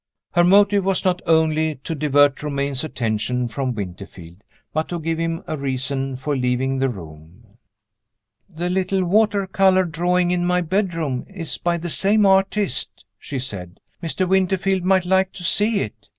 Her motive was not only to divert Romayne's attention from Winterfield, but to give him a reason for leaving the room. "The little water color drawing in my bedroom is by the same artist," she said. "Mr. Winterfield might like to see it.